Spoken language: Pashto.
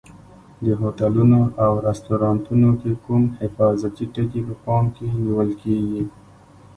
د هوټلونو او رستورانتونو کې کوم حفاظتي ټکي په پام کې نیول کېږي؟